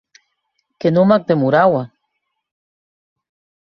Que non m’ac demoraua!